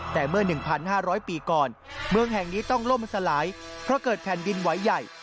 แต่เมื่อ๑๕๐๐ปีก่อนเมืองแห่งนี้ต้องล่มสลายเพราะเกิดแผ่นดินไหวใหญ่